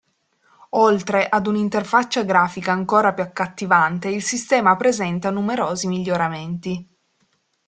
Oltre ad un'interfaccia grafica ancora più accattivante il sistema presenta numerosi miglioramenti.